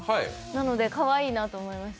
なのでかわいいなと思いました。